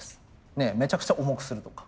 めちゃくちゃ重くするとか。